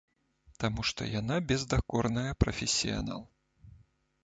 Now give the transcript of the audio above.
Таму што яна бездакорная прафесіянал.